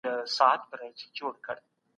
ښه خلک د ژوند په هر ډګر کي رښتیني وي.